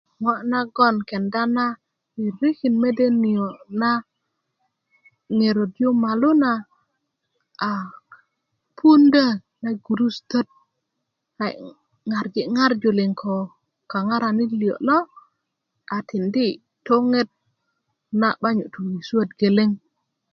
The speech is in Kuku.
ŋo nago kenda ririkin mede niyo na ŋerot yu molu na a puundö na gurusutöt a yi ŋarj ŋarju liŋ ko kaŋaranit liyo lo a tindi toŋet na 'ba nyu tu suöt geleŋ